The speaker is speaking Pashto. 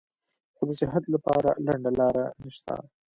خو د صحت له پاره لنډه لار نشته -